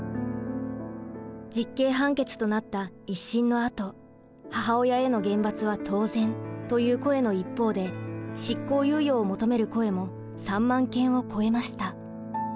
実刑判決となった一審のあと「母親への厳罰は当然」という声の一方で執行猶予を求める声も３万件を超えました。